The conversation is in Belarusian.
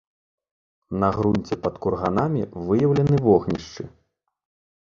На грунце пад курганамі выяўлены вогнішчы.